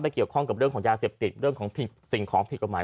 เกี่ยวข้องกับเรื่องของยาเสพติดเรื่องของสิ่งของผิดกฎหมาย